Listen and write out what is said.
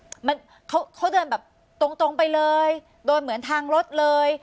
เส้นทางระยะทางอาจจะเพิ่มมากกว่า๑๕กิโลเมตรทางรถก็ได้